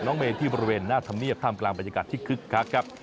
กับน้องเมย์ที่ประเภทหน้าธรรเมียบท่ามกลางบรรยากาศที่คึกครับ